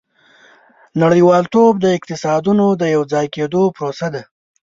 • نړیوالتوب د اقتصادونو د یوځای کېدو پروسه ده.